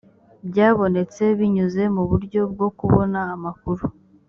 byabonetse binyuze mu buryo bwo kubona amakuru